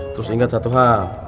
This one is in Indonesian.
terus inget satu hal